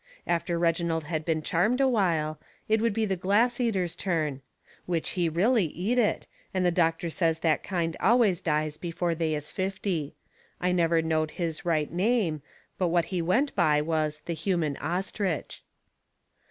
After Reginald had been charmed a while, it would be the glass eater's turn. Which he really eat it, and the doctor says that kind always dies before they is fifty. I never knowed his right name, but what he went by was The Human Ostrich.